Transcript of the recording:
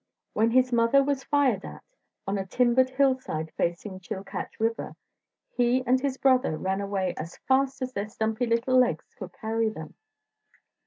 When his mother was fired at, on a timbered hillside facing Chilkat River, he and his brother ran away as fast as their stumpy little legs could carry them.